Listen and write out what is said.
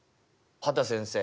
畑先生